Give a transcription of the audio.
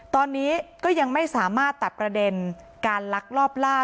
ตอนนี้ก็ยังไม่สามารถตัดประเด็นการลักลอบล่า